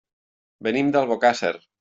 Venim d'Albocàsser.